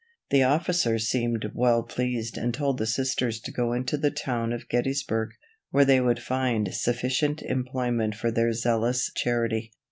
The officers seemed well pleased and told the Sisters to go into the town of Gettysburg, where they would find sufficient employment for their zealous charity.